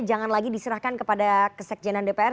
jangan lagi diserahkan kepada kesekjenan dpr